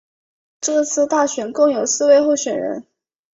这次大选共有四位候选人。